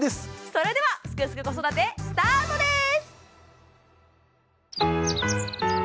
それでは「すくすく子育て」スタートです！